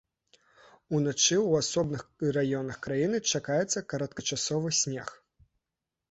Уначы ў асобных раёнах краіны чакаецца кароткачасовы снег.